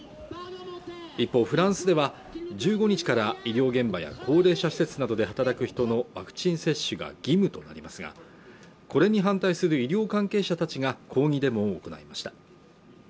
一方フランスでは１５日から医療現場や高齢者施設などで働く人のワクチン接種が義務となりますがこれに反対する医療関係者たちが抗議デモを行いました